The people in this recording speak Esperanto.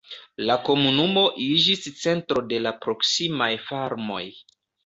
La komunumo iĝis centro de la proksimaj farmoj.